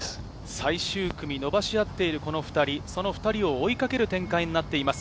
最終組、伸ばし合っているこの２人を追いかける展開になっています。